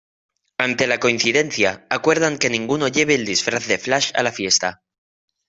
Ante la coincidencia, acuerdan que ninguno lleve el disfraz de Flash a la fiesta.